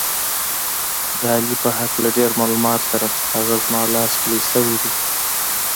د علي په هکله ډېر معلومات لرم، هغه زما لاس کې لوی شوی دی.